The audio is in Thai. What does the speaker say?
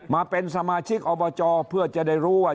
มาเป็นสมาชิกอบจเพื่อจะได้รู้ว่า